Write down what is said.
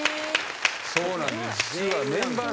そうなんです。ね。